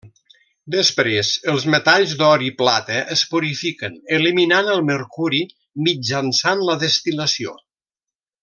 Després els metalls d'or i plata es purifiquen eliminant el mercuri mitjançant la destil·lació.